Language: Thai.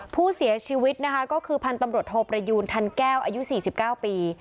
ผู้เสียชีวิตนะคะก็คือพันธุ์ตำรวจโทประยูนทันแก้วอายุ๔๙ปี